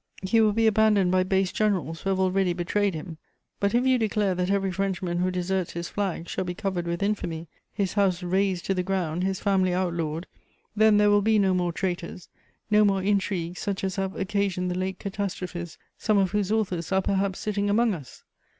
He will be abandoned by base generals who have already betrayed him.... But if you declare that every Frenchman who deserts his flag shall be covered with infamy, his house razed to the ground, his family outlawed, then there will be no more traitors, no more intrigues such as have occasioned the late catastrophes, some of whose authors are perhaps sitting among us."